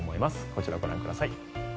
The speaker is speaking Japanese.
こちら、ご覧ください。